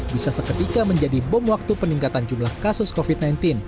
bisa seketika menjadi bom waktu peningkatan jumlah kasus covid sembilan belas